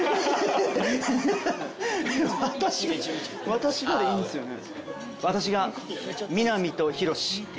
「私が」でいいんですよね。